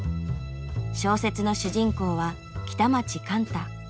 小説の主人公は北町貫多。